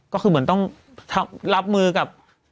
ก็คือเหมือนต้องรับมือกับ